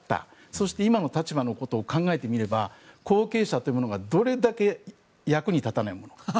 そして今の立場のことを考えてみれば後継者というものがどれだけ役に立たないものか。